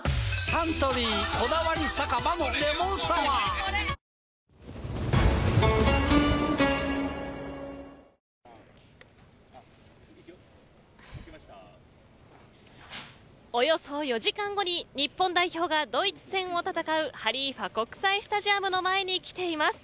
サントリー「こだわり酒場のレモンサワー」およそ４時間後に日本代表がドイツ戦を戦うハリーファ国際スタジアムの前に来ています。